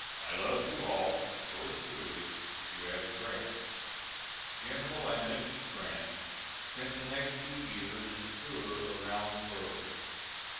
My love to all. Yours truly, U.S. GRANT. [General and Mrs. Grant spent the next two years in a tour around the world.